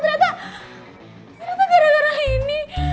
ternyata gara gara ini